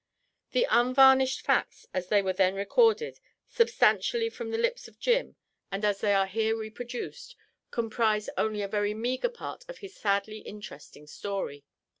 The unvarnished facts, as they were then recorded substantially from the lips of Jim, and as they are here reproduced, comprise only a very meagre part of his sadly interesting story.